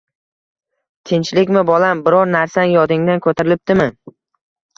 Tinchlikmi bolam, biror narsang yodingdan ko`tarilibdimi